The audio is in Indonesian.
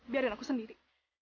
biarkan aku sendiri